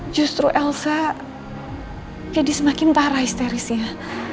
justru elsa jadi semakin parah histerisnya